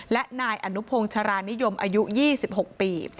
และนายอนุพงศ์ชรานิยมอายุ๒๖ปี